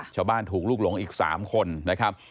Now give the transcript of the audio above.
ชาวบ้านถูกลูกหลงอีก๓คนนะครับ